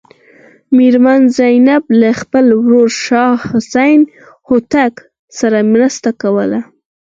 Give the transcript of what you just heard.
میرمن زینب له خپل ورور شاه حسین هوتک سره مرسته کوله.